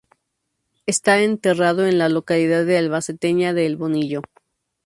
Esta enterrado en la localidad albaceteña de El Bonillo.